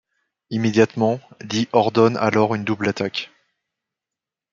Immédiatement, Lee ordonne alors une double attaque.